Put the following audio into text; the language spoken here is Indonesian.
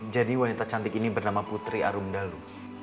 jadi wanita cantik ini bernama putri arum dalu